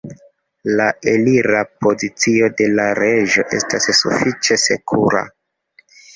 La elira pozicio de la reĝo estas sufiĉe sekura.